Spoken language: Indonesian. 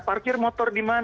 parkir motor di mana